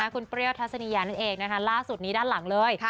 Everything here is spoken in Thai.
คุณเปรี้ยวทัศนียานั่นเองนะคะล่าสุดนี้ด้านหลังเลย